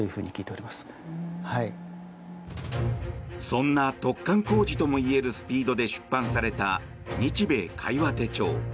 そんな突貫工事ともいえるスピードで出版された「日米會話手帳」。